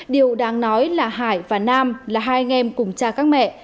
điều đáng nói là hải và nam là hai anh em cùng cha các mẹ